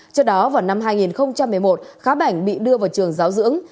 trước đó vào năm hai nghìn một mươi một khá bảnh bị đưa vào trường giáo dưỡng